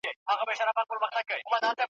یوه ورځ به داسي راسي چي مي یار په سترګو وینم !.